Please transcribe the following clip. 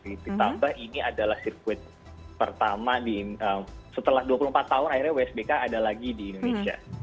ditambah ini adalah sirkuit pertama setelah dua puluh empat tahun akhirnya wsbk ada lagi di indonesia